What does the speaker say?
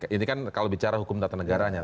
ini kan kalau bicara hukum tata negaranya